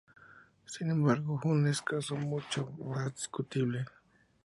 Sin embargo Hun es un caso mucho más discutible.